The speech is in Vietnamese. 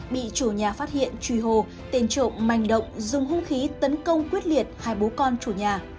bị chủ nhà phát hiện truy hồ tên trộm manh động dùng hung khí tấn công quyết liệt hai bố con chủ nhà